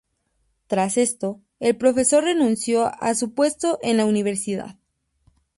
Tras esto, el profesor renunció a su puesto en la universidad.